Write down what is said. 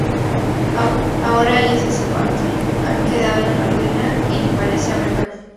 Ahora ella es azafata, ha quedado en la ruina y parece haber cambiado.